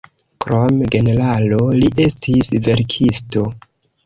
Krom generalo, li estis verkisto.